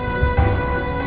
ya kita berhasil